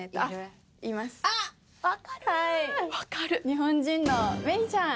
日本人のメイちゃん！